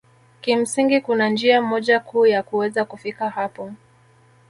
Kimsingi kuna njia moja kuu ya kuweza kufika hapo